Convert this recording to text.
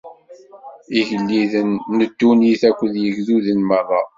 Igelliden n ddunit akked yigduden merra.